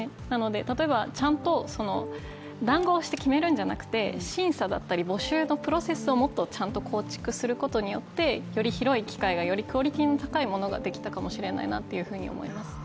例えばちゃんと、談合して決めるんじゃなくて審査だったり募集のプロセスをもっと構築することによってより広い機会が、よりクオリティの高いものができたかもしれないなと思います。